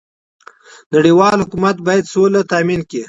نړيوال حکومت بايد سوله تامين کړي.